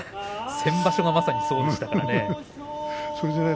先場所はまさにそうでしたね。